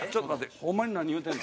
ホンマに、何言うてんの？